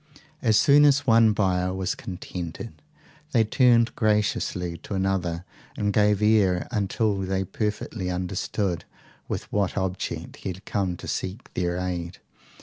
As soon as one buyer was contented they turned graciously to another, and gave ear until they perfectly understood with what object he had come to seek their aid.